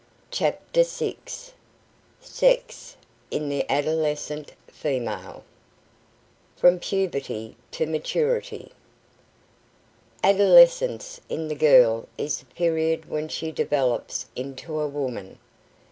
CHAPTER VI SEX IN THE ADOLESCENT FEMALE (FROM PUBERTY TO MATURITY) Adolescence in the girl is the period when she develops into a woman.